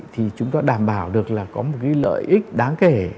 thì chúng ta đảm bảo được là có một cái lợi ích đáng kể